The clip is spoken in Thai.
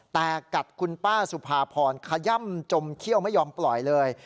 แต่กัดคุณป้าสุภาพรขย่ำจมเขี้ยวไม่ยอมปล่อยเลย